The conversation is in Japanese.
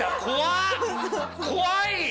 怖い！